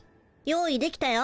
用意できたよ。